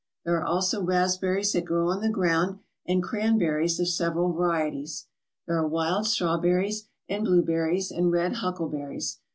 There are also raspberries that grow on the ground and cranberries of several varieties. There are wild strawberries and blueberries and red huckleberries.